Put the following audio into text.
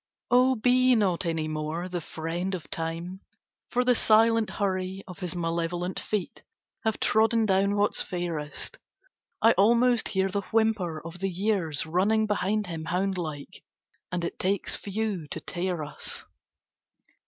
"O be not any more the friend of Time, for the silent hurry of his malevolent feet have trodden down what's fairest; I almost hear the whimper of the years running behind him hound like, and it takes few to tear us.